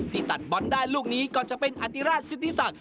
ตัดบอลได้ลูกนี้ก็จะเป็นอติราชสิทธิศักดิ